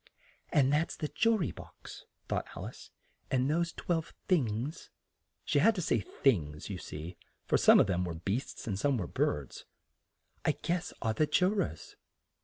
"And that's the ju ry box," thought Al ice, "and those twelve things" (she had to say "things," you see, for some of them were beasts and some were birds), "I guess are the ju rors."